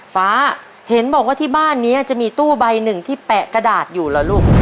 ฟ้าเห็นบอกว่าที่บ้านนี้จะมีตู้ใบหนึ่งที่แปะกระดาษอยู่เหรอลูก